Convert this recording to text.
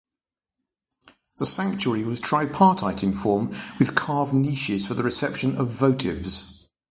The sanctuary was tripartite in form with carved niches for the reception of votives.